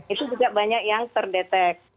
itu juga banyak yang terdeteksi